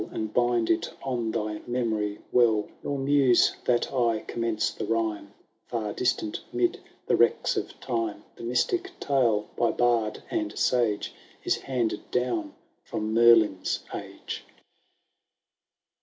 And bind it on thy memory well ; Nor muse that I commence the rhyme Far distant mid the wrecks of time. The mystic tale, by bard and sage. Is handed down fiiom Meriin's age.